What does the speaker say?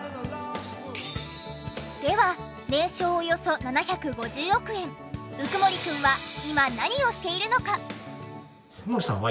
では年商およそ７５０億円鵜久森くんは今何をしているのか？